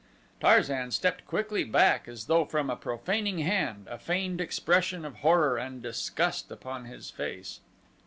Tarzan stepped quickly back as though from a profaning hand, a feigned expression of horror and disgust upon his face.